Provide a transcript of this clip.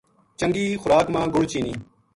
چنگی خوراک ما گُڑ چینی